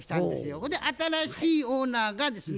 ほんで新しいオーナーがですね